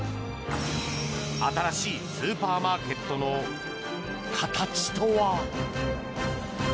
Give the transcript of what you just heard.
新しいスーパーマーケットの形とは？